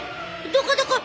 どこどこ！？